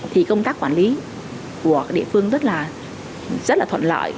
thì công tác quản lý của địa phương rất là thuận lợi